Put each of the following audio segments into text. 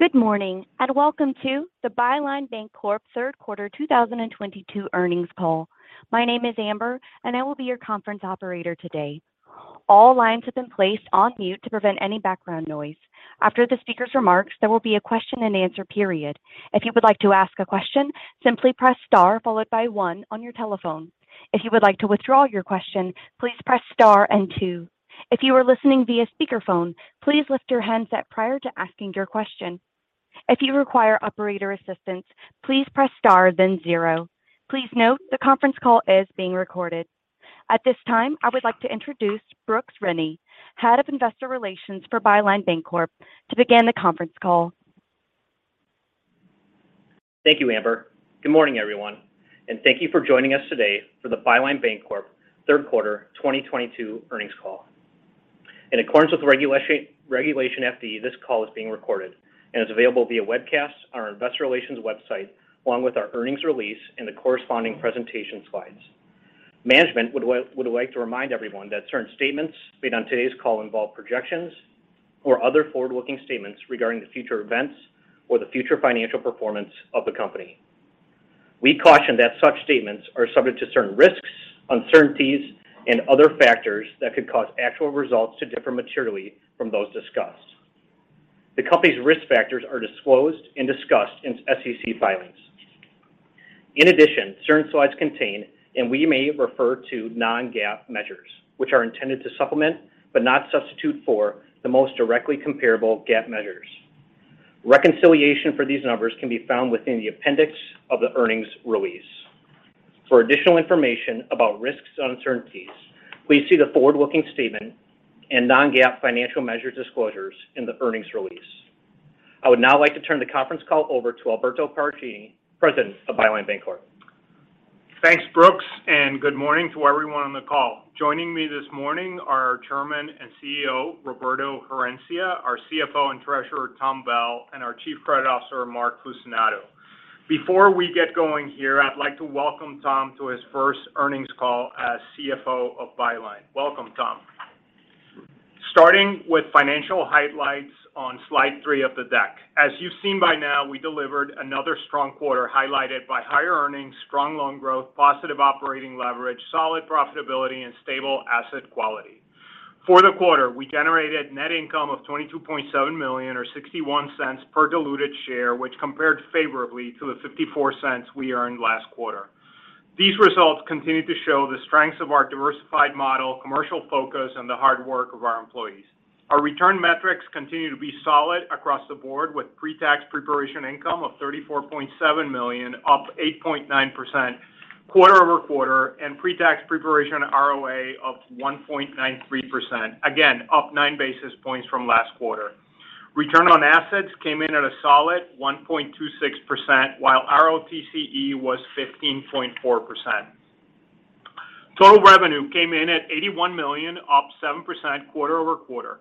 Good morning, and welcome to the Byline Bancorp Third Quarter 2022 Earnings Call. My name is Amber, and I will be your conference operator today. All lines have been placed on mute to prevent any background noise. After the speaker's remarks, there will be a question-and-answer period. If you would like to ask a question, simply press star followed by one on your telephone. If you would like to withdraw your question, please press star and two. If you are listening via speakerphone, please lift your handset prior to asking your question. If you require operator assistance, please press star then zero. Please note the conference call is being recorded. At this time, I would like to introduce Brooks Rennie, Head of Investor Relations for Byline Bancorp to begin the conference call. Thank you, Amber. Good morning, everyone, and thank you for joining us today for the Byline Bancorp third quarter 2022 earnings call. In accordance with Regulation FD, this call is being recorded and is available via webcast on our investor relations website, along with our earnings release and the corresponding presentation slides. Management would like to remind everyone that certain statements made on today's call involve projections or other forward-looking statements regarding the future events or the future financial performance of the company. We caution that such statements are subject to certain risks, uncertainties and other factors that could cause actual results to differ materially from those discussed. The company's risk factors are disclosed and discussed in SEC filings. In addition, certain slides contain, and we may refer to non-GAAP measures, which are intended to supplement, but not substitute for, the most directly comparable GAAP measures. Reconciliation for these numbers can be found within the appendix of the earnings release. For additional information about risks and uncertainties, please see the forward-looking statement and non-GAAP financial measure disclosures in the earnings release. I would now like to turn the conference call over to Alberto Paracchini, President of Byline Bancorp. Thanks, Brooks, and good morning to everyone on the call. Joining me this morning are our Chairman and CEO, Roberto Herencia, our CFO and Treasurer, Tom Bell, and our Chief Credit Officer, Mark Fucinato. Before we get going here, I'd like to welcome Tom to his first earnings call as CFO of Byline. Welcome, Tom. Starting with financial highlights on slide three of the deck. As you've seen by now, we delivered another strong quarter highlighted by higher earnings, strong loan growth, positive operating leverage, solid profitability and stable asset quality. For the quarter, we generated net income of $22.7 million or 61 cents per diluted share, which compared favorably to the 54 cents we earned last quarter. These results continue to show the strengths of our diversified model, commercial focus and the hard work of our employees. Our return metrics continue to be solid across the board with pre-tax pre-provision income of $34.7 million, up 8.9% quarter-over-quarter and pre-tax pre-provision ROA of 1.93%. Again, up nine basis points from last quarter. Return on assets came in at a solid 1.26%, while ROTCE was 15.4%. Total revenue came in at $81 million, up 7% quarter-over-quarter.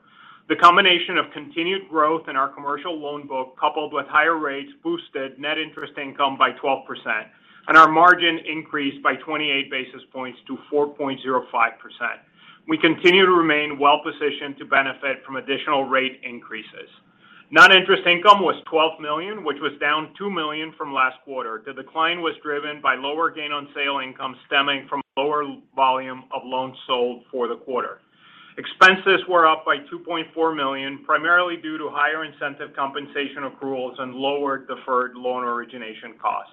The combination of continued growth in our commercial loan book, coupled with higher rates, boosted net interest income by 12% and our margin increased by 28 basis points to 4.05%. We continue to remain well positioned to benefit from additional rate increases. Non-interest income was $12 million, which was down $2 million from last quarter. The decline was driven by lower gain on sale income stemming from lower volume of loans sold for the quarter. Expenses were up by $2.4 million, primarily due to higher incentive compensation accruals and lower deferred loan origination costs.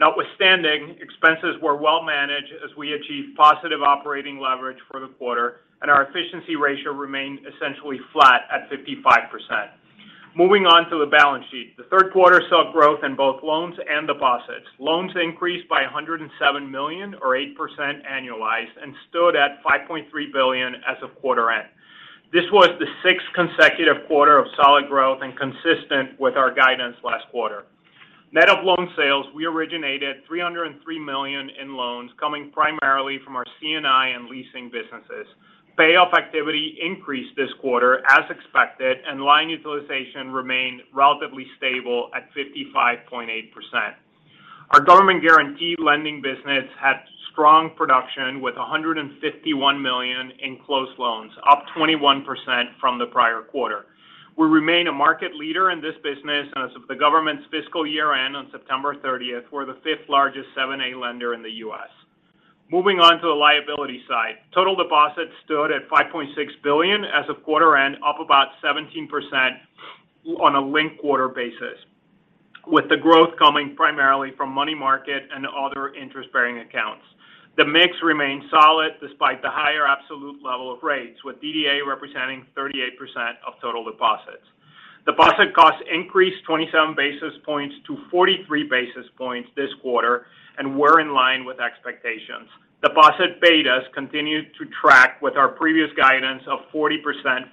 Notwithstanding, expenses were well managed as we achieved positive operating leverage for the quarter and our efficiency ratio remained essentially flat at 55%. Moving on to the balance sheet. The third quarter saw growth in both loans and deposits. Loans increased by $107 million or 8% annualized and stood at $5.3 billion as of quarter end. This was the sixth consecutive quarter of solid growth and consistent with our guidance last quarter. Net of loan sales, we originated $303 million in loans coming primarily from our C&I and leasing businesses. Payoff activity increased this quarter as expected and line utilization remained relatively stable at 55.8%. Our government guaranteed lending business had strong production with $151 million in closed loans, up 21% from the prior quarter. We remain a market leader in this business and as of the government's fiscal year end on September thirtieth, we're the fifth-largest SBA 7(a) lender in the U.S. Moving on to the liability side. Total deposits stood at $5.6 billion as of quarter end, up about 17% on a linked quarter basis, with the growth coming primarily from money market and other interest-bearing accounts. The mix remained solid despite the higher absolute level of rates, with DDA representing 38% of total deposits. Deposit costs increased 27 basis points to 43 basis points this quarter and were in line with expectations. Deposit betas continued to track with our previous guidance of 40%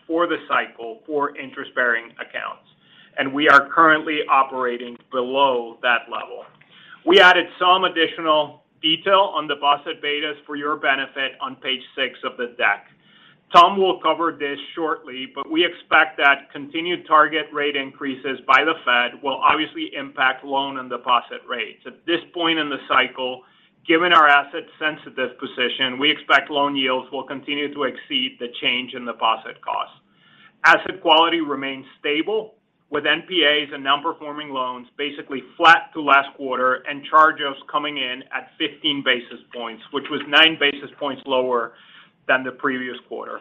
for the cycle for interest-bearing accounts, and we are currently operating below that level. We added some additional detail on deposit betas for your benefit on page 6 of the deck. Tom will cover this shortly, but we expect that continued target rate increases by the Fed will obviously impact loan and deposit rates. At this point in the cycle, given our asset sensitivity position, we expect loan yields will continue to exceed the change in deposit costs. Asset quality remains stable, with NPAs and non-performing loans basically flat to last quarter and charge-offs coming in at 15 basis points, which was 9 basis points lower than the previous quarter.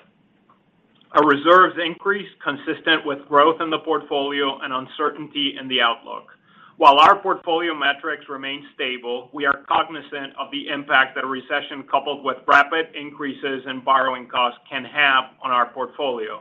Our reserves increased consistent with growth in the portfolio and uncertainty in the outlook. While our portfolio metrics remain stable, we are cognizant of the impact that a recession coupled with rapid increases in borrowing costs can have on our portfolio.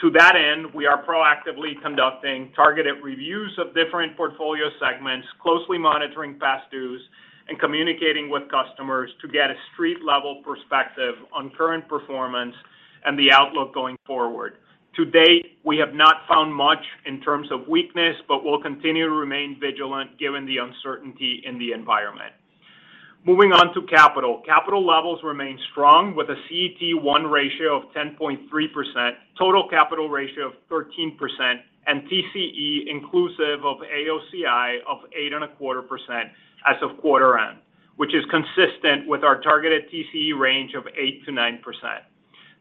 To that end, we are proactively conducting targeted reviews of different portfolio segments, closely monitoring past dues, and communicating with customers to get a street-level perspective on current performance and the outlook going forward. To date, we have not found much in terms of weakness, but we'll continue to remain vigilant given the uncertainty in the environment. Moving on to capital. Capital levels remain strong with a CET1 ratio of 10.3%, total capital ratio of 13%, and TCE inclusive of AOCI of 8.25% as of quarter end, which is consistent with our targeted TCE range of 8%-9%.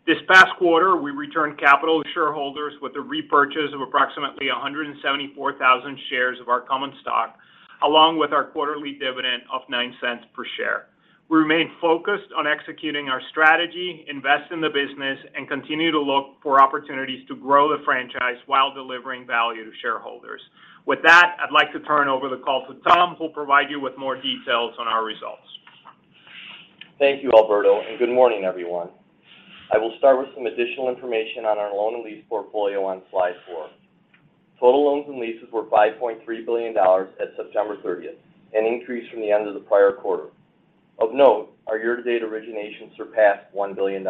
This past quarter, we returned capital to shareholders with a repurchase of approximately 174,000 shares of our common stock, along with our quarterly dividend of $0.09 per share. We remain focused on executing our strategy, invest in the business, and continue to look for opportunities to grow the franchise while delivering value to shareholders. With that, I'd like to turn over the call to Tom, who will provide you with more details on our results. Thank you, Alberto, and good morning, everyone. I will start with some additional information on our loan and lease portfolio on slide four. Total loans and leases were $5.3 billion at September 30, an increase from the end of the prior quarter. Of note, our year-to-date origination surpassed $1 billion.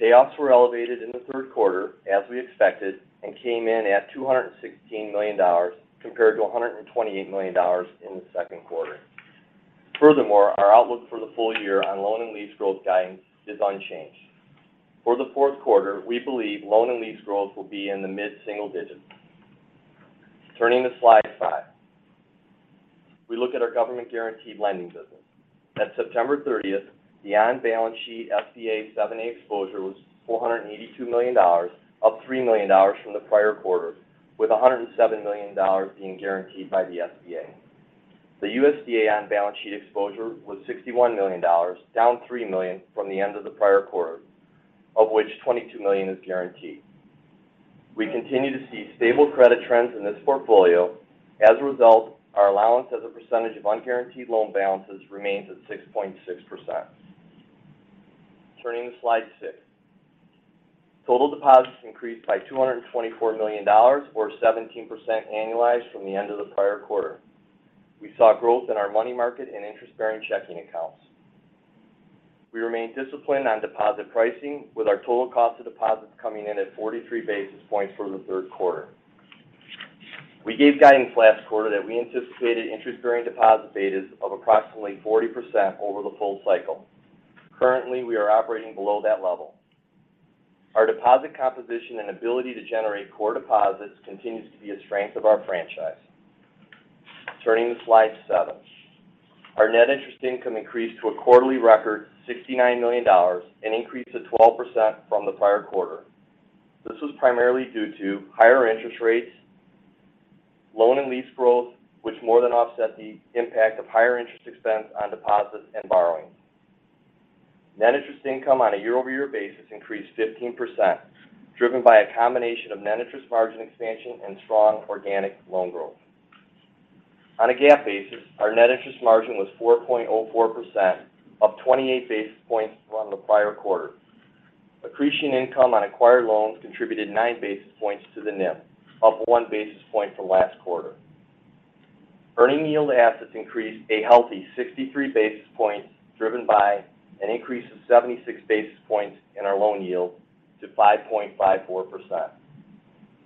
Payoffs were elevated in the third quarter, as we expected, and came in at $216 million compared to $128 million in the second quarter. Furthermore, our outlook for the full year on loan and lease growth guidance is unchanged. For the fourth quarter, we believe loan and lease growth will be in the mid-single digits. Turning to slide five. We look at our government-guaranteed lending business. At September 30th, the on-balance-sheet SBA 7(a) exposure was $482 million, up $3 million from the prior quarter, with $107 million being guaranteed by the SBA. The USDA on-balance-sheet exposure was $61 million, down $3 million from the end of the prior quarter, of which $22 million is guaranteed. We continue to see stable credit trends in this portfolio. As a result, our allowance as a percentage of unguaranteed loan balances remains at 6.6%. Turning to slide 6. Total deposits increased by $224 million or 17% annualized from the end of the prior quarter. We saw growth in our money market and interest-bearing checking accounts. We remain disciplined on deposit pricing with our total cost of deposits coming in at 43 basis points for the third quarter. We gave guidance last quarter that we anticipated interest-bearing deposit betas of approximately 40% over the full cycle. Currently, we are operating below that level. Our deposit composition and ability to generate core deposits continues to be a strength of our franchise. Turning to slide seven. Our net interest income increased to a quarterly record $69 million, an increase of 12% from the prior quarter. This was primarily due to higher interest rates, loan and lease growth, which more than offset the impact of higher interest expense on deposits and borrowings. Net interest income on a year-over-year basis increased 15%, driven by a combination of net interest margin expansion and strong organic loan growth. On a GAAP basis, our net interest margin was 4.04%, up 28 basis points from the prior quarter. Accretion income on acquired loans contributed 9 basis points to the NIM, up 1 basis point from last quarter. Earning assets yield increased a healthy 63 basis points, driven by an increase of 76 basis points in our loan yield to 5.54%.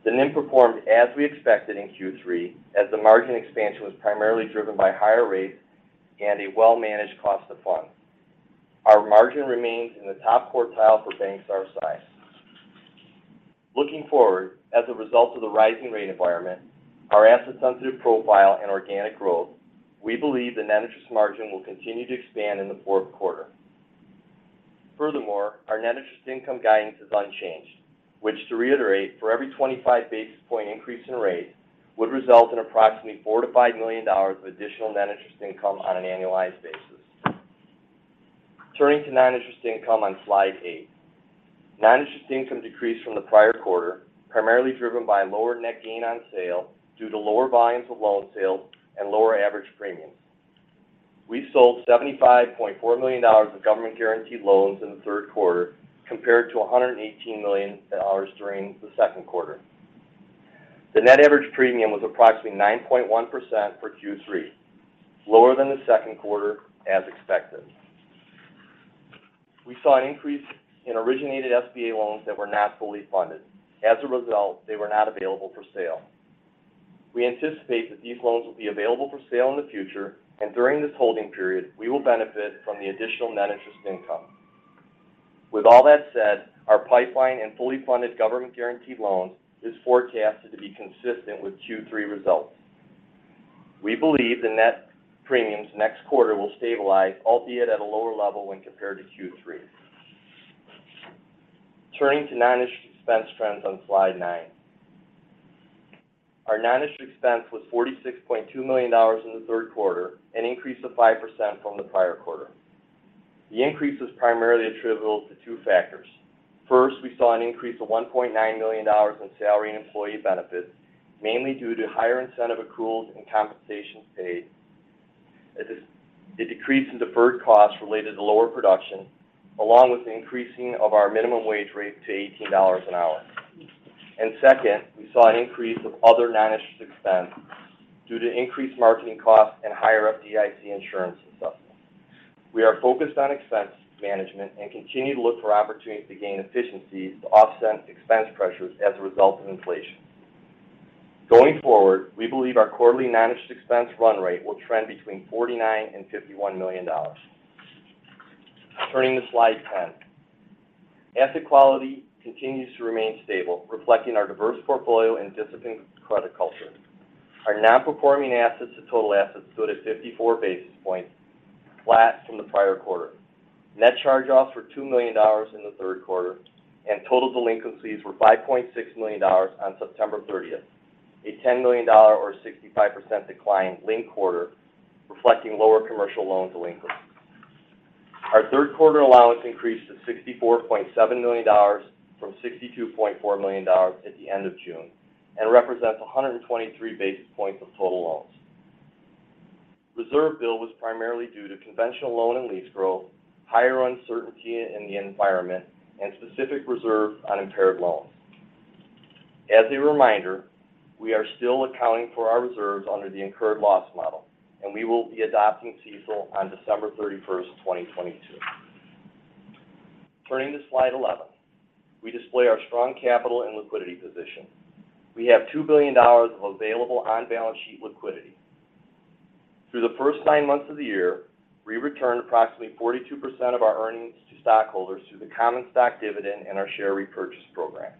The NIM performed as we expected in Q3, as the margin expansion was primarily driven by higher rates and a well-managed cost of funds. Our margin remains in the top quartile for banks our size. Looking forward, as a result of the rising rate environment, our asset-sensitive profile and organic growth, we believe the net interest margin will continue to expand in the fourth quarter. Furthermore, our net interest income guidance is unchanged, which to reiterate, for every 25 basis point increase in rate, would result in approximately $4-$5 million of additional net interest income on an annualized basis. Turning to non-interest income on slide eight. Non-interest income decreased from the prior quarter, primarily driven by lower net gain on sale due to lower volumes of loan sales and lower average premiums. We sold $75.4 million of government-guaranteed loans in the third quarter, compared to $118 million during the second quarter. The net average premium was approximately 9.1% for Q3, lower than the second quarter as expected. We saw an increase in originated SBA loans that were not fully funded. As a result, they were not available for sale. We anticipate that these loans will be available for sale in the future, and during this holding period, we will benefit from the additional net interest income. With all that said, our pipeline and fully funded government-guaranteed loans is forecasted to be consistent with Q3 results. We believe the net premiums next quarter will stabilize, albeit at a lower level when compared to Q3. Turning to non-interest expense trends on slide nine. Our non-interest expense was $46.2 million in the third quarter, an increase of 5% from the prior quarter. The increase is primarily attributable to two factors. First, we saw an increase of $1.9 million in salary and employee benefits, mainly due to higher incentive accruals and compensations paid, a decrease in deferred costs related to lower production, along with the increase in our minimum wage rate to $18 an hour. Second, we saw an increase in other non-interest expense due to increased marketing costs and higher FDIC insurance assessments. We are focused on expense management and continue to look for opportunities to gain efficiencies to offset expense pressures as a result of inflation. Going forward, we believe our quarterly non-interest expense run rate will trend between $49 million and $51 million. Turning to slide 10. Asset quality continues to remain stable, reflecting our diverse portfolio and disciplined credit culture. Our non-performing assets to total assets stood at 54 basis points, flat from the prior quarter. Net charge-offs were $2 million in the third quarter, and total delinquencies were $5.6 million on September 30, a $10 million or 65% decline linked quarter, reflecting lower commercial loan delinquencies. Our third quarter allowance increased to $64.7 million from $62.4 million at the end of June and represents 123 basis points of total loans. Reserve build was primarily due to conventional loan and lease growth, higher uncertainty in the environment, and specific reserve on impaired loans. As a reminder, we are still accounting for our reserves under the incurred loss model, and we will be adopting CECL on December 31, 2022. Turning to slide 11. We display our strong capital and liquidity position. We have $2 billion of available on-balance sheet liquidity. Through the first 9 months of the year, we returned approximately 42% of our earnings to stockholders through the common stock dividend and our share repurchase program.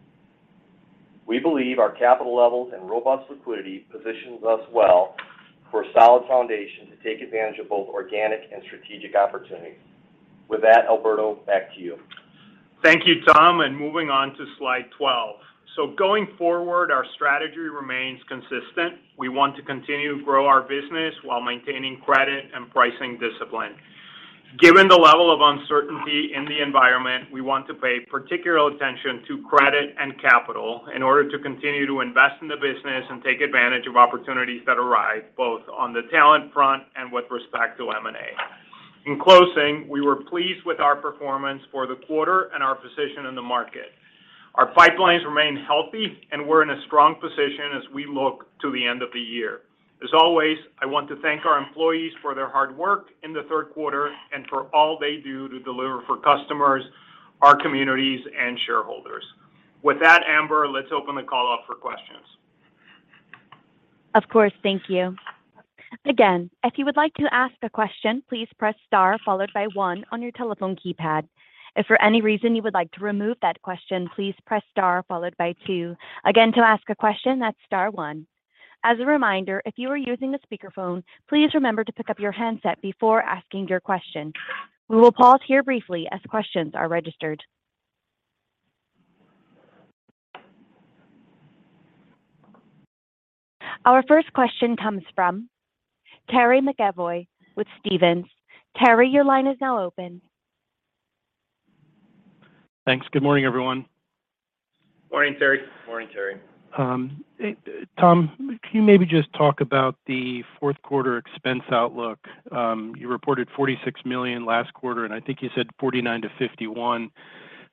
We believe our capital levels and robust liquidity positions us well for a solid foundation to take advantage of both organic and strategic opportunities. With that, Alberto, back to you. Thank you, Tom, and moving on to slide 12. Going forward, our strategy remains consistent. We want to continue to grow our business while maintaining credit and pricing discipline. Given the level of uncertainty in the environment, we want to pay particular attention to credit and capital in order to continue to invest in the business and take advantage of opportunities that arise, both on the talent front and with respect to M&A. In closing, we were pleased with our performance for the quarter and our position in the market. Our pipelines remain healthy and we're in a strong position as we look to the end of the year. As always, I want to thank our employees for their hard work in the third quarter and for all they do to deliver for customers, our communities, and shareholders. With that, Amber, let's open the call up for questions. Of course. Thank you. Again, if you would like to ask a question, please press star followed by one on your telephone keypad. If for any reason you would like to remove that question, please press star followed by two. Again, to ask a question, that's star one. As a reminder, if you are using a speakerphone, please remember to pick up your handset before asking your question. We will pause here briefly as questions are registered. Our first question comes from Terry McEvoy with Stephens. Terry, your line is now open. Thanks. Good morning, everyone. Morning, Terry. Morning, Terry. Hey, Tom, can you maybe just talk about the fourth quarter expense outlook? You reported $46 million last quarter, and I think you said $49-$51.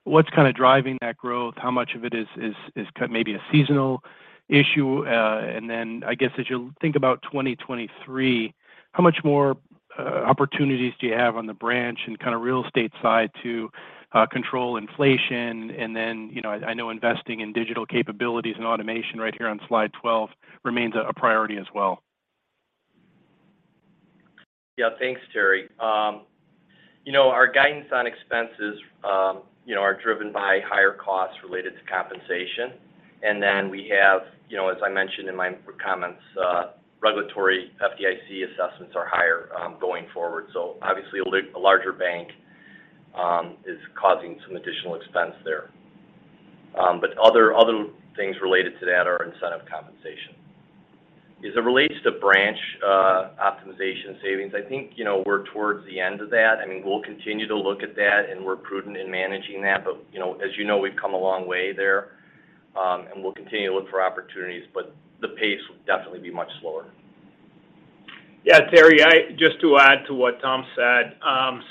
What's kind of driving that growth? How much of it is maybe a seasonal issue? Then I guess as you think about 2023, how much more opportunities do you have on the branch and kind of real estate side to control inflation? Then, you know, I know investing in digital capabilities and automation right here on slide 12 remains a priority as well. Yeah. Thanks, Terry. You know, our guidance on expenses, you know, are driven by higher costs related to compensation. We have, you know, as I mentioned in my comments, regulatory FDIC assessments are higher, going forward. Obviously, a larger bank is causing some additional expense there. Other things related to that are incentive compensation. As it relates to branch optimization savings, I think, you know, we're towards the end of that. I mean, we'll continue to look at that, and we're prudent in managing that. You know, as you know, we've come a long way there, and we'll continue to look for opportunities, but the pace will definitely be much slower. Yeah, Terry, just to add to what Tom said.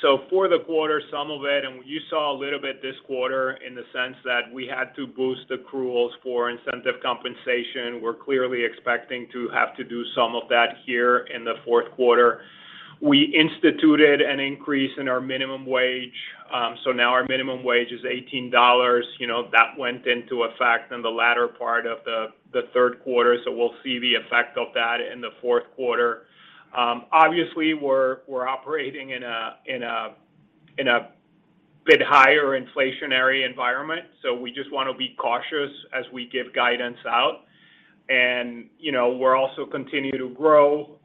So for the quarter, some of it, and you saw a little bit this quarter in the sense that we had to boost accruals for incentive compensation. We're clearly expecting to have to do some of that here in the fourth quarter. We instituted an increase in our minimum wage, so now our minimum wage is $18. You know, that went into effect in the latter part of the third quarter, so we'll see the effect of that in the fourth quarter. Obviously, we're operating in a bit higher inflationary environment. So we just wanna be cautious as we give guidance out. You know, we're also continue to grow,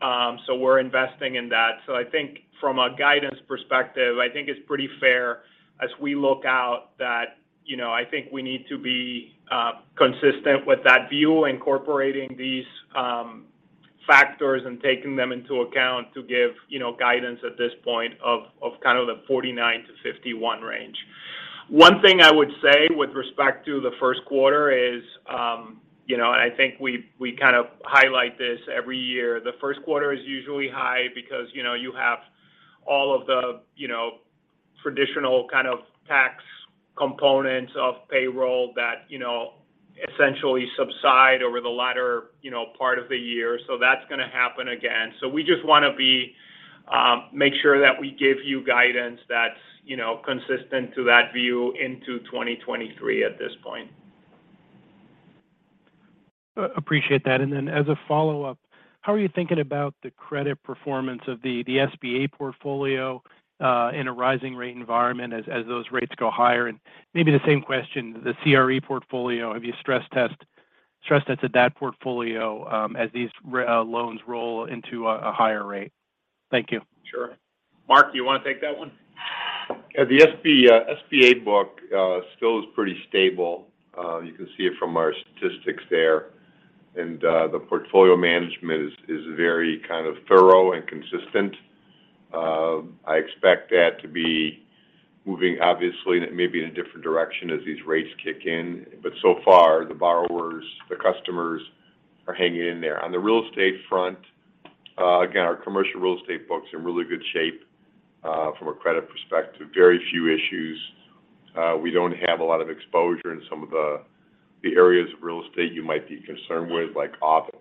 so we're investing in that. I think from a guidance perspective, I think it's pretty fair as we look out that, you know, I think we need to be consistent with that view, incorporating these factors and taking them into account to give, you know, guidance at this point of kind of the 49%-51% range. One thing I would say with respect to the first quarter is, you know, I think we kind of highlight this every year. The first quarter is usually high because, you know, you have all of the, you know, traditional kind of tax components of payroll that, you know, essentially subside over the latter, you know, part of the year. That's gonna happen again. We just wanna make sure that we give you guidance that's, you know, consistent with that view into 2023 at this point. Appreciate that. As a follow-up, how are you thinking about the credit performance of the SBA portfolio in a rising rate environment as those rates go higher? Maybe the same question, the CRE portfolio, have you stress tested that portfolio as these loans roll into a higher rate? Thank you. Sure. Mark, do you wanna take that one? Yeah, the SBA book still is pretty stable. You can see it from our statistics there. The portfolio management is very kind of thorough and consistent. I expect that to be moving obviously maybe in a different direction as these rates kick in. So far, the borrowers, the customers are hanging in there. On the real estate front, again, our commercial real estate book's in really good shape from a credit perspective. Very few issues. We don't have a lot of exposure in some of the areas of real estate you might be concerned with, like office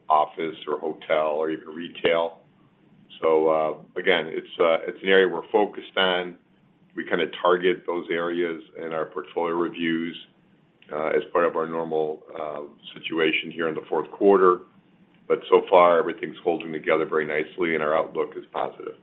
or hotel or even retail. Again, it's an area we're focused on. We kinda target those areas in our portfolio reviews as part of our normal situation here in the fourth quarter. So far, everything's holding together very nicely, and our outlook is positive.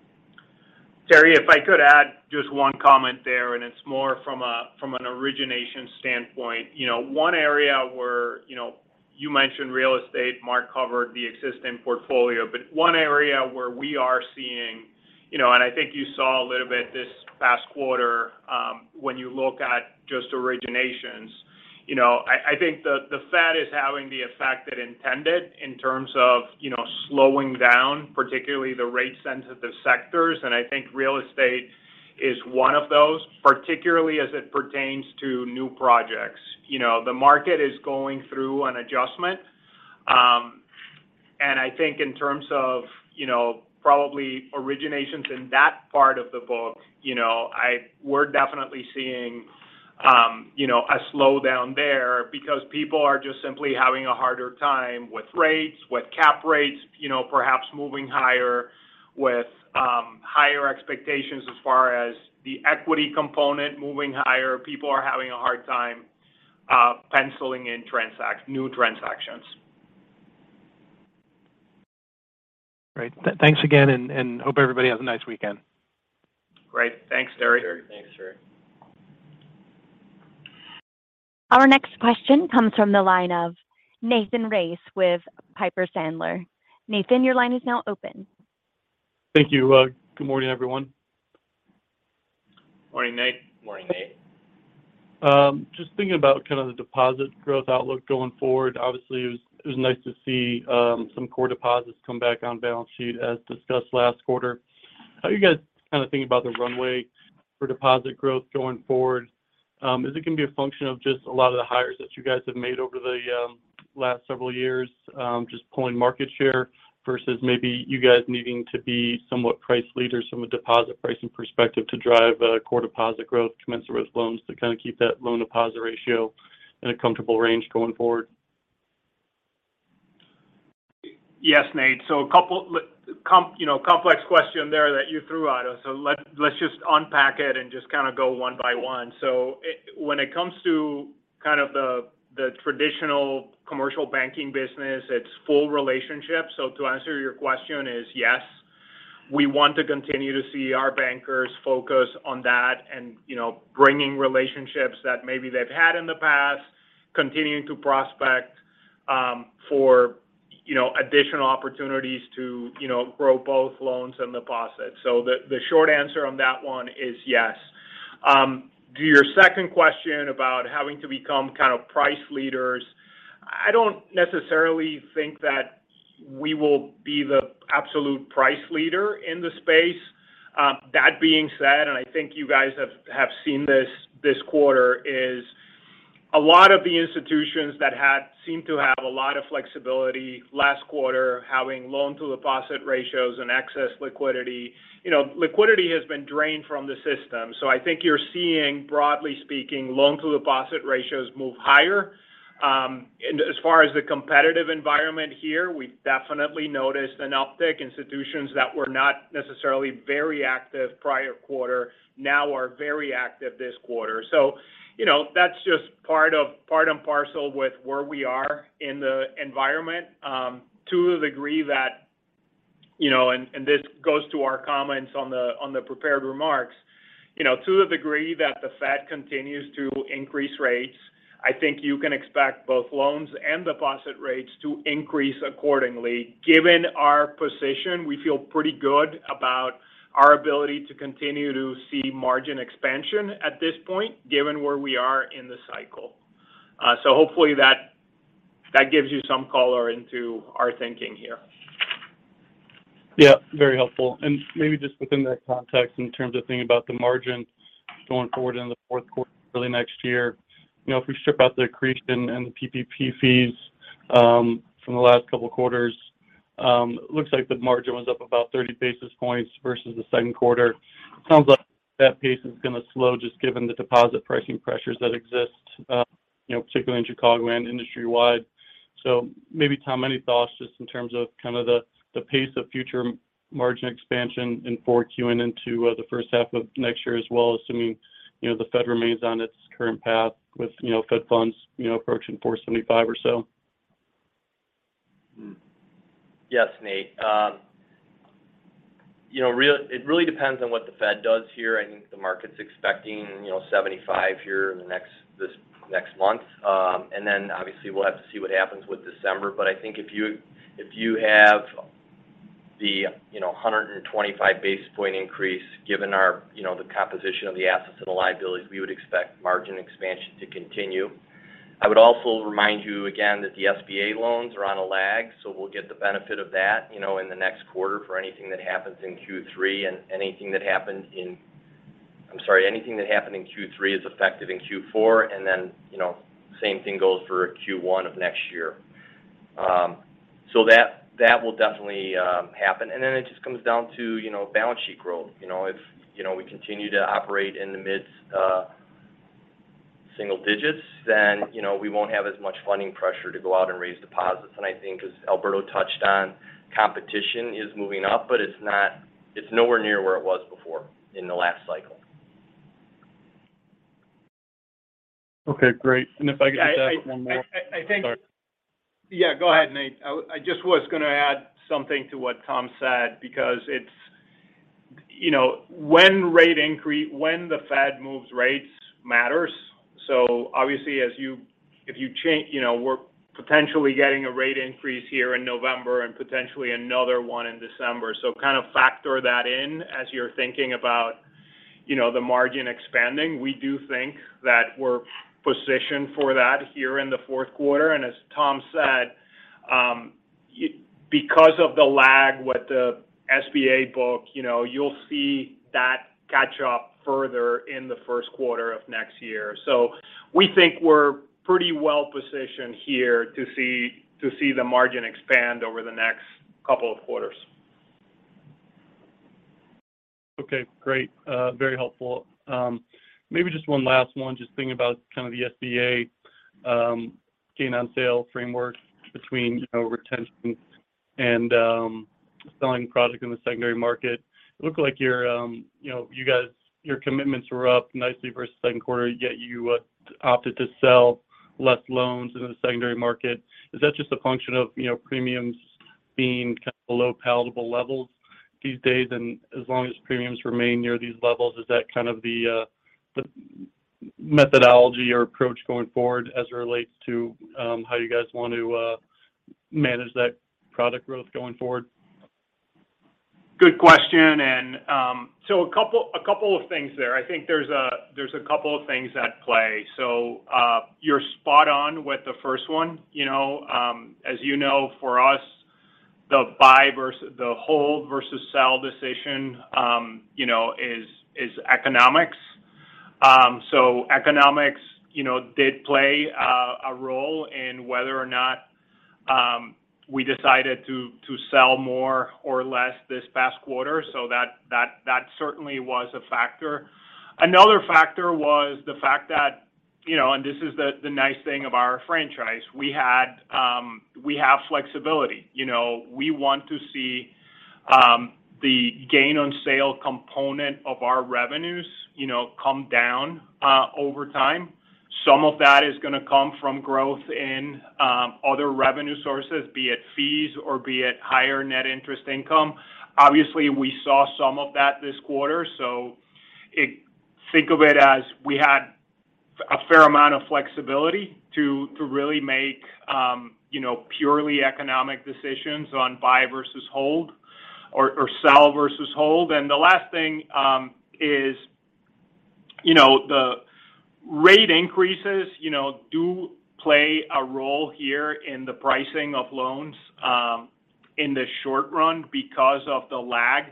Terry, if I could add just one comment there, and it's more from an origination standpoint. You know, one area where, you know, you mentioned real estate, Mark covered the existing portfolio. But one area where we are seeing, you know, and I think you saw a little bit this past quarter, when you look at just originations. You know, I think the Fed is having the effect it intended in terms of, you know, slowing down particularly the rate-sensitive sectors. And I think real estate is one of those, particularly as it pertains to new projects. You know, the market is going through an adjustment. I think in terms of probably originations in that part of the book we're definitely seeing a slowdown there because people are just simply having a harder time with rates, with cap rates. Perhaps moving higher with higher expectations as far as the equity component moving higher. People are having a hard time penciling in new transactions. Great. Thanks again, and hope everybody has a nice weekend. Great. Thanks, Terry. Thanks, Terry. Our next question comes from the line of Nathan Race with Piper Sandler. Nathan, your line is now open. Thank you. Good morning, everyone. Morning, Nate. Morning, Nathan. Just thinking about kind of the deposit growth outlook going forward. Obviously, it was nice to see some core deposits come back on balance sheet as discussed last quarter. How are you guys kinda thinking about the runway for deposit growth going forward? Is it gonna be a function of just a lot of the hires that you guys have made over the last several years, just pulling market share versus maybe you guys needing to be somewhat price leaders from a deposit pricing perspective to drive core deposit growth commensurate with loans to kinda keep that loan deposit ratio in a comfortable range going forward? Yes, Nathan. A couple complex question there that you threw at us, so let's just unpack it and just kinda go one by one. When it comes to kind of the traditional commercial banking business, it's full relationship. To answer your question is yes. We want to continue to see our bankers focus on that and, you know, bringing relationships that maybe they've had in the past, continuing to prospect for, you know, additional opportunities to, you know, grow both loans and deposits. The short answer on that one is yes. To your second question about having to become kind of price leaders, I don't necessarily think that we will be the absolute price leader in the space. That being said, I think you guys have seen this quarter is a lot of the institutions that had seemed to have a lot of flexibility last quarter, having loan to deposit ratios and excess liquidity. You know, liquidity has been drained from the system. I think you're seeing, broadly speaking, loan to deposit ratios move higher. As far as the competitive environment here, we've definitely noticed an uptick. Institutions that were not necessarily very active prior quarter now are very active this quarter. You know, that's just part of part and parcel with where we are in the environment, to the degree that you know, and this goes to our comments on the prepared remarks. You know, to the degree that the Fed continues to increase rates, I think you can expect both loans and deposit rates to increase accordingly. Given our position, we feel pretty good about our ability to continue to see margin expansion at this point, given where we are in the cycle. Hopefully that gives you some color into our thinking here. Yeah, very helpful. Maybe just within that context, in terms of thinking about the margin going forward into the fourth quarter, early next year. You know, if we strip out the accretion and the PPP fees from the last couple of quarters, looks like the margin was up about 30 basis points versus the second quarter. Sounds like that pace is going to slow, just given the deposit pricing pressures that exist, you know, particularly in Chicagoland, industry-wide. Maybe, Tom, any thoughts just in terms of kind of the pace of future margin expansion in 4Q and into the first half of next year as well, assuming, you know, the Fed remains on its current path with, you know, Fed funds, you know, approaching 4.75 or so? Yes, Nate. It really depends on what the Fed does here. I think the market's expecting, you know, 75 here in this next month. Then obviously we'll have to see what happens with December. I think if you have the, you know, 125 basis point increase, given our, you know, the composition of the assets and the liabilities, we would expect margin expansion to continue. I would also remind you again that the SBA loans are on a lag, so we'll get the benefit of that, you know, in the next quarter for anything that happens in Q3. Anything that happened in Q3 is effective in Q4. Then, you know, same thing goes for Q1 of next year. So that will definitely happen. It just comes down to, you know, balance sheet growth. You know, if, you know, we continue to operate in the mid single digits, then, you know, we won't have as much funding pressure to go out and raise deposits. I think as Alberto touched on, competition is moving up, but it's nowhere near where it was before in the last cycle. Okay, great. If I could just ask one more. I think. Sorry. Yeah, go ahead, Nate. I just was going to add something to what Tom said because it's, you know, when the Fed moves rates matters. Obviously if you change, you know, we're potentially getting a rate increase here in November and potentially another one in December. Kind of factor that in as you're thinking about, you know, the margin expanding. We do think that we're positioned for that here in the fourth quarter. As Tom said, because of the lag with the SBA book, you know, you'll see that catch up further in the first quarter of next year. We think we're pretty well-positioned here to see the margin expand over the next couple of quarters. Okay, great. Very helpful. Maybe just one last one. Just thinking about kind of the SBA gain on sale framework between, you know, retention and selling product in the secondary market. It looked like your, you know, you guys, your commitments were up nicely versus second quarter, yet you opted to sell less loans in the secondary market. Is that just a function of, you know, premiums being kind of below palatable levels these days, and as long as premiums remain near these levels, is that kind of the methodology or approach going forward as it relates to how you guys want to manage that product growth going forward? Good question. A couple of things there. I think there's a couple of things at play. You're spot on with the first one. You know, as you know, for us, the buy versus the hold versus sell decision, you know, is economics. Economics, you know, did play a role in whether or not we decided to sell more or less this past quarter. That certainly was a factor. Another factor was the fact that, you know, this is the nice thing of our franchise. We have flexibility. You know, we want to see the gain on sale component of our revenues, you know, come down over time. Some of that is going to come from growth in other revenue sources, be it fees or be it higher net interest income. Obviously, we saw some of that this quarter. I think of it as we had a fair amount of flexibility to really make you know, purely economic decisions on buy versus hold or sell versus hold. The last thing is, you know, the rate increases, you know, do play a role here in the pricing of loans in the short run because of the lag.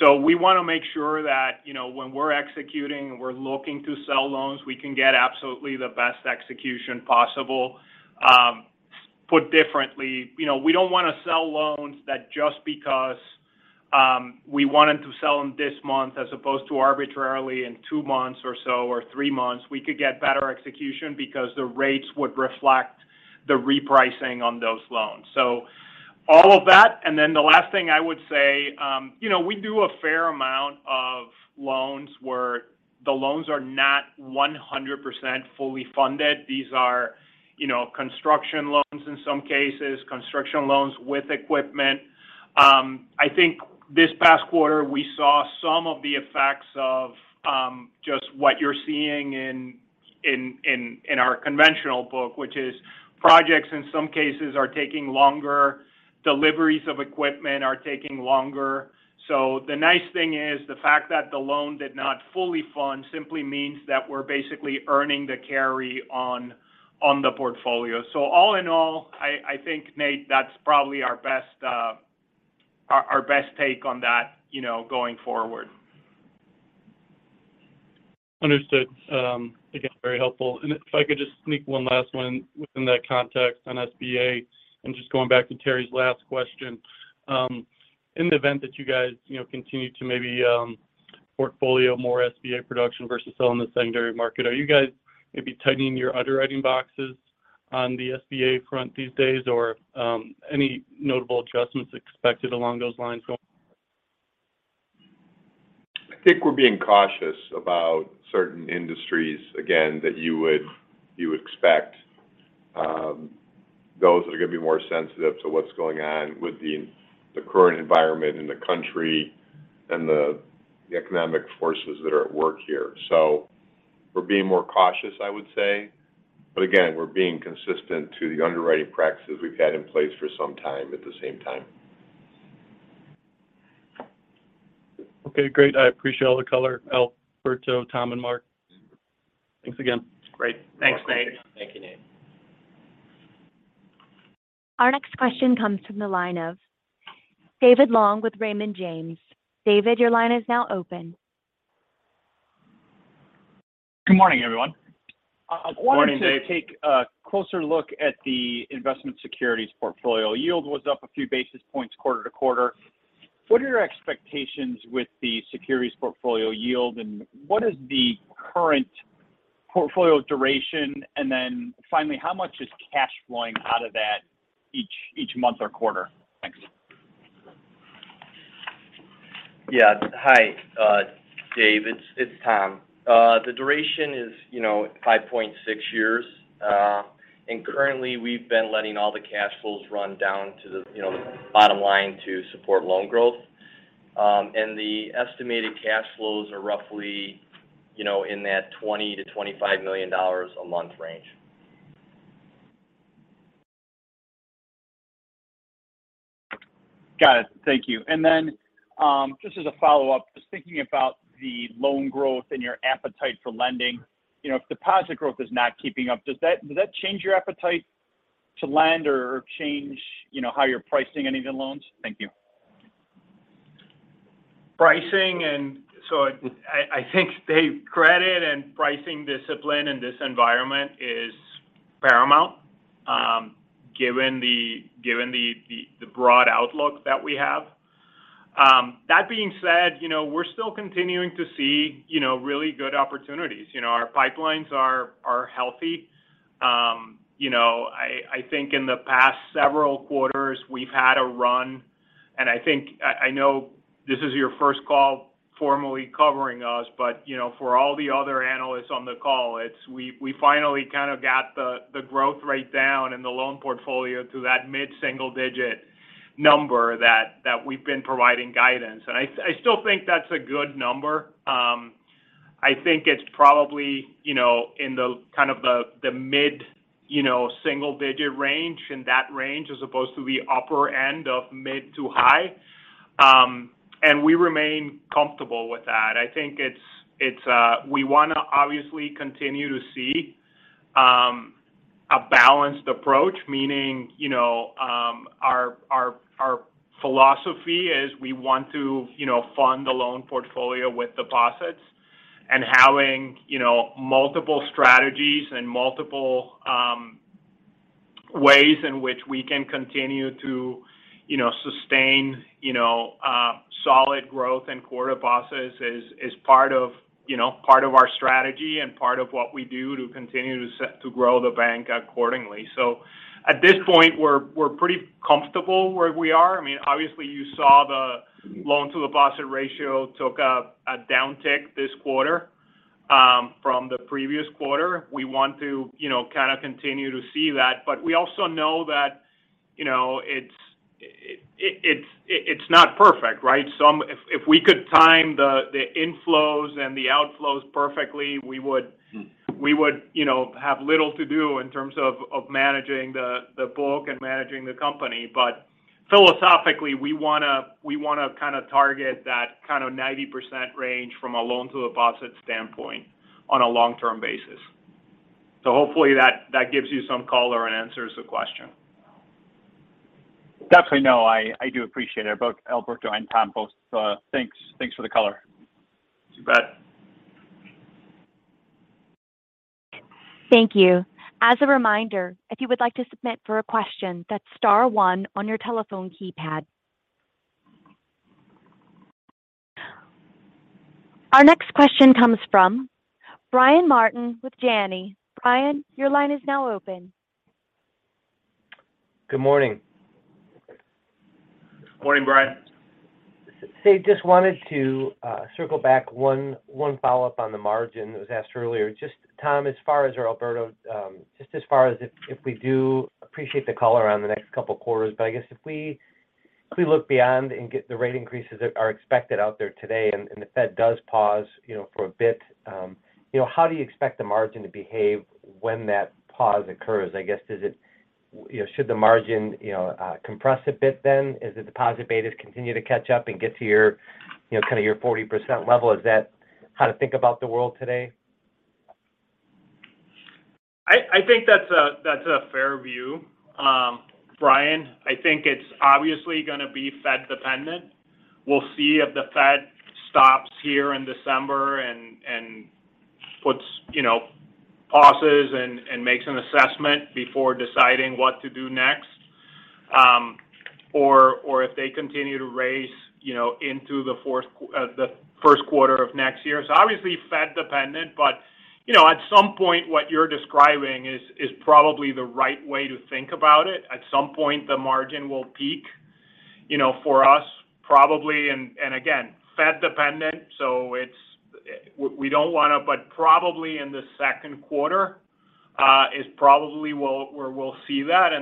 We want to make sure that, you know, when we're executing and we're looking to sell loans, we can get absolutely the best execution possible. Put differently, you know, we don't want to sell loans that just because we wanted to sell them this month as opposed to arbitrarily in two months or so or three months. We could get better execution because the rates would reflect the repricing on those loans. All of that. Then the last thing I would say, you know, we do a fair amount where the loans are not 100% fully funded. These are, you know, construction loans in some cases, construction loans with equipment. I think this past quarter, we saw some of the effects of just what you're seeing in our conventional book, which is projects in some cases are taking longer, deliveries of equipment are taking longer. The nice thing is the fact that the loan did not fully fund simply means that we're basically earning the carry on the portfolio. All in all, I think, Nate, that's probably our best take on that, you know, going forward. Understood. Again, very helpful. If I could just sneak one last one within that context on SBA and just going back to Terry's last question. In the event that you guys, you know, continue to maybe, portfolio more SBA production versus selling the secondary market, are you guys maybe tightening your underwriting boxes on the SBA front these days or, any notable adjustments expected along those lines going forward? I think we're being cautious about certain industries again that you would expect. Those are going to be more sensitive to what's going on with the current environment in the country and the economic forces that are at work here. We're being more cautious, I would say. Again, we're being consistent to the underwriting practices we've had in place for some time at the same time. Okay, great. I appreciate all the color, Alberto, Tom, and Mark. Thanks again. Great. Thanks, Nate. Thank you, Nate. Our next question comes from the line of David Long with Raymond James. David, your line is now open. Good morning, everyone. Morning, Dave. I wanted to take a closer look at the investment securities portfolio. Yield was up a few basis points quarter-over-quarter. What are your expectations with the securities portfolio yield, and what is the current portfolio duration? Finally, how much is cash flowing out of that each month or quarter? Thanks. Yeah. Hi, Dave, it's Tom. The duration is, you know, 5.6 years. Currently, we've been letting all the cash flows run down to the, you know, the bottom line to support loan growth. The estimated cash flows are roughly, you know, in that $20-$25 million a month range. Got it. Thank you. Just as a follow-up, just thinking about the loan growth and your appetite for lending. You know, if deposit growth is not keeping up, does that change your appetite to lend or change, you know, how you're pricing any of your loans? Thank you. Pricing, I think David, credit and pricing discipline in this environment is paramount, given the broad outlook that we have. That being said, you know, we're still continuing to see, you know, really good opportunities. You know, our pipelines are healthy. You know, I think in the past several quarters we've had a run. I think, I know this is your first call formally covering us, but, you know, for all the other analysts on the call, we finally kind of got the growth rate down in the loan portfolio to that mid-single digit number that we've been providing guidance. I still think that's a good number. I think it's probably, you know, in the kind of the mid, you know, single digit range in that range as opposed to the upper end of mid to high. We remain comfortable with that. I think it's we want to obviously continue to see a balanced approach, meaning, you know, our philosophy is we want to, you know, fund the loan portfolio with deposits and having, you know, multiple strategies and multiple ways in which we can continue to, you know, sustain, you know, solid growth in core deposits is part of, you know, part of our strategy and part of what we do to continue to grow the bank accordingly. At this point, we're pretty comfortable where we are. I mean, obviously you saw the loan to deposit ratio took a downtick this quarter from the previous quarter. We want to, you know, kind of continue to see that, but we also know that, you know, it's not perfect, right? If we could time the inflows and the outflows perfectly, we would. Mm. We would, you know, have little to do in terms of managing the book and managing the company. Philosophically, we wanna kind of target that kind of 90% range from a loan to deposit standpoint on a long-term basis. Hopefully that gives you some color and answers the question. Definitely. No, I do appreciate it, both Alberto and Tom both. Thanks. Thanks for the color. You bet. Thank you. As a reminder, if you would like to submit a question, that's star one on your telephone keypad. Our next question comes from Brian Martin with Janney. Brian, your line is now open. Good morning. Morning, Brian. Just wanted to circle back on one follow-up on the margin that was asked earlier. Just Tom, as far as, or Alberto, just as far as if we do appreciate the color on the next couple quarters. I guess if we look beyond and get the rate increases that are expected out there today, and the Fed does pause, you know, for a bit, you know, how do you expect the margin to behave when that pause occurs? I guess does it, you know, should the margin, you know, compress a bit then? Will the deposit betas continue to catch up and get to your, you know, kind of your 40% level? Is that how to think about the world today? I think that's a fair view, Brian. I think it's obviously gonna be Fed dependent. We'll see if the Fed stops here in December and puts you know pauses and makes an assessment before deciding what to do next. If they continue to raise you know into the first quarter of next year. Obviously Fed dependent, but you know, at some point what you're describing is probably the right way to think about it. At some point the margin will peak you know for us probably and again, Fed dependent. We don't want to, but probably in the second quarter is probably where we'll see that.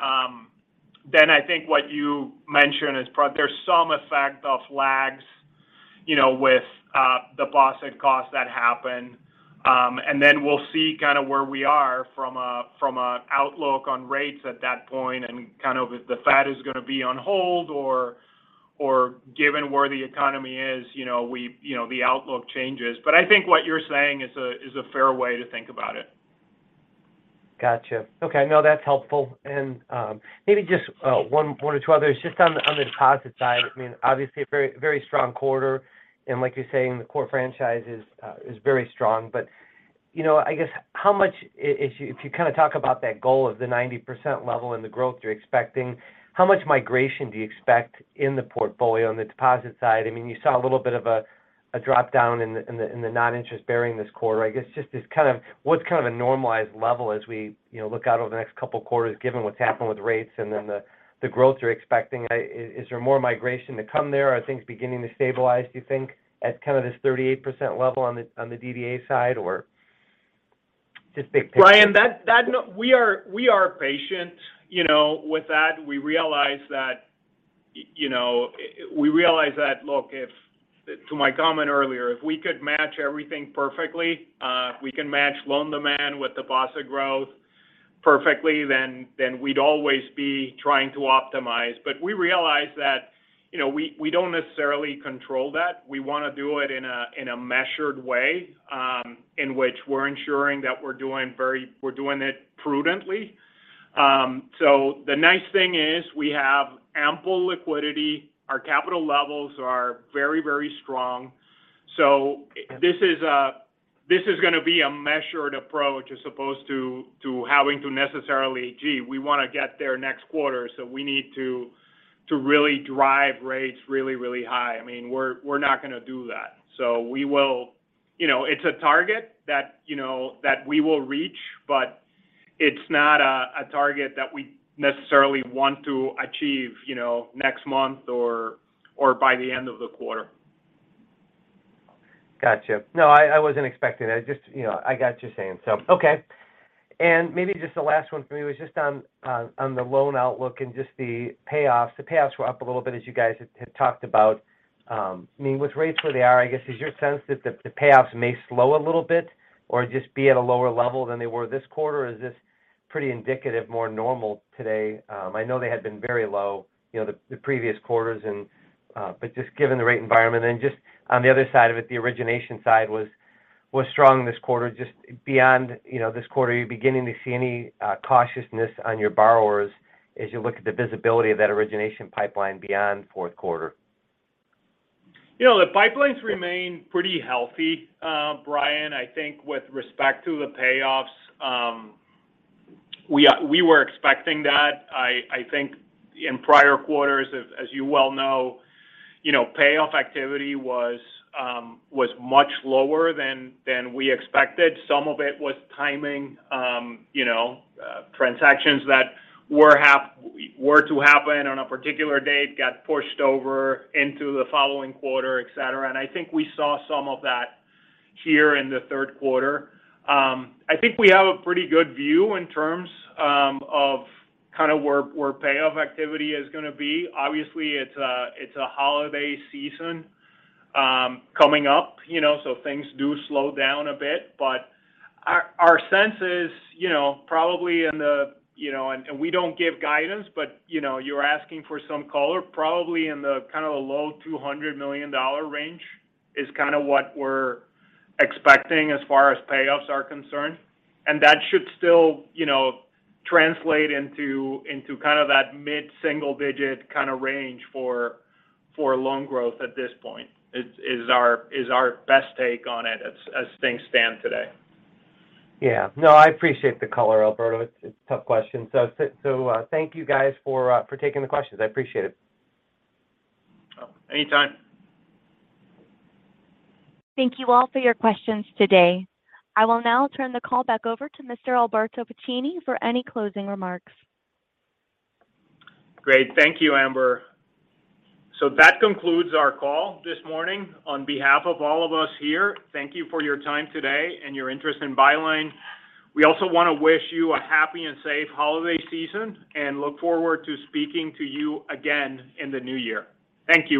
I think what you mention is there's some effect of lags you know with deposit costs that happen. We'll see kind of where we are from a outlook on rates at that point and kind of if the Fed is gonna be on hold or given where the economy is, you know, we, you know, the outlook changes. I think what you're saying is a fair way to think about it. Gotcha. Okay. No, that's helpful. Maybe just one or two others just on the deposit side. I mean, obviously a very, very strong quarter and like you're saying the core franchise is very strong. You know, I guess how much if you kind of talk about that goal of the 90% level and the growth you're expecting, how much migration do you expect in the portfolio on the deposit side? I mean, you saw a little bit of a dropdown in the non-interest bearing this quarter. I guess just as kind of what's kind of a normalized level as we look out over the next couple quarters given what's happened with rates and then the growth you're expecting. Is there more migration to come there? Are things beginning to stabilize, do you think, at kind of this 38% level on the DDA side or just big picture? Brian, that. No, we are patient, you know, with that. We realize that you know, we realize that look, if to my comment earlier, if we could match everything perfectly, we can match loan demand with deposit growth perfectly, then we'd always be trying to optimize. We realize that, you know, we don't necessarily control that. We wanna do it in a measured way, in which we're ensuring that we're doing it prudently. The nice thing is we have ample liquidity. Our capital levels are very, very strong. This is gonna be a measured approach as opposed to having to necessarily, "Gee, we want to get there next quarter, so we need to really drive rates really, really high." I mean, we're not gonna do that. You know, it's a target that, you know, that we will reach, but it's not a target that we necessarily want to achieve, you know, next month or by the end of the quarter. Gotcha. No, I wasn't expecting it. I just, you know, I got you saying so. Okay. Maybe just the last one for me was just on the loan outlook and just the payoffs. The payoffs were up a little bit as you guys had talked about. I mean, with rates where they are, I guess is your sense that the payoffs may slow a little bit or just be at a lower level than they were this quarter? Or is this pretty indicative more normal today? I know they had been very low, you know, the previous quarters, but just given the rate environment and just on the other side of it, the origination side was strong this quarter. Just beyond, you know, this quarter, are you beginning to see any cautiousness on your borrowers as you look at the visibility of that origination pipeline beyond fourth quarter? You know, the pipelines remain pretty healthy, Brian. I think with respect to the payoffs, we were expecting that. I think in prior quarters as you well know, you know, payoff activity was much lower than we expected. Some of it was timing, you know, transactions that were to happen on a particular date got pushed over into the following quarter, et cetera. I think we saw some of that here in the third quarter. I think we have a pretty good view in terms of kind of where payoff activity is gonna be. Obviously, it's a holiday season coming up, you know, so things do slow down a bit. Our sense is, you know, we don't give guidance, but you know, you're asking for some color probably in the kind of the low $200 million range is kind of what we're expecting as far as payoffs are concerned. That should still, you know, translate into kind of that mid-single digit% kind of range for loan growth at this point is our best take on it as things stand today. Yeah. No, I appreciate the color, Alberto. It's a tough question. Thank you guys for taking the questions. I appreciate it. Oh, anytime. Thank you all for your questions today. I will now turn the call back over to Mr. Alberto Paracchini for any closing remarks. Great. Thank you, Amber. That concludes our call this morning. On behalf of all of us here, thank you for your time today and your interest in Byline. We also wanna wish you a happy and safe holiday season and look forward to speaking to you again in the new year. Thank you.